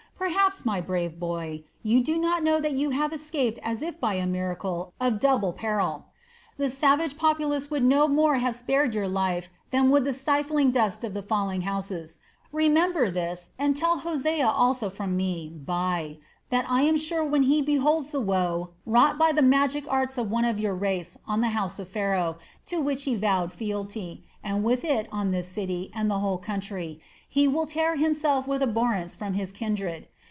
Perhaps, my brave boy, you do not know that you have escaped as if by a miracle a double peril; the savage populace would no more have spared your life than would the stifling dust of the falling houses. Remember this, and tell Hosea also from me, Bai, that I am sure when he beholds the woe wrought by the magic arts of one of your race on the house of Pharaoh, to which he vowed fealty, and with it on this city and the whole country, he will tear himself with abhorrence from his kindred.